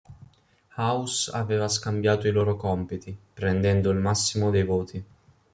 House aveva scambiato i loro compiti, prendendo il massimo dei voti.